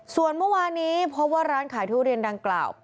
ส่วนเมื่อวานี้พบว่าร้านขายทุเรียนดังกล่าว